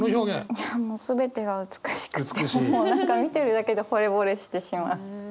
いやもう全てが美しくってもう何か見てるだけでほれぼれしてしまう。